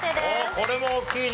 これも大きいね。